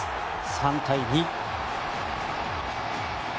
３対２。